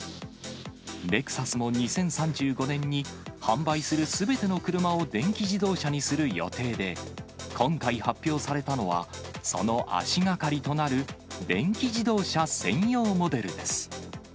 レクサスも２０３５年に、販売するすべての車を電気自動車にする予定で、今回発表されたのは、その足がかりとなる電気自動車専用モデルです。